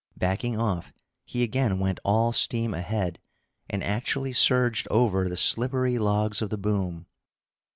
Backing off, he again went all steam ahead, and actually surged over the slippery logs of the boom.